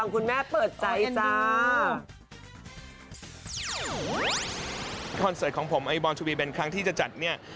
คอนเซ็ทของผมบอร์นชูบีเบนครั้งที่จะจัดเนี่ย